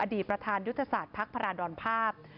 อดีตประธานยุทธศาสตร์พรรดรภาพ